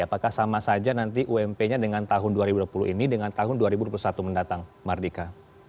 apakah sama saja nanti ump nya dengan tahun dua ribu dua puluh ini dengan tahun dua ribu dua puluh satu mendatang mardika